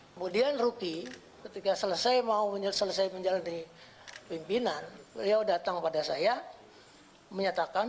kemudian ruki ketika selesai mau selesai menjalani pimpinan beliau datang pada saya menyatakan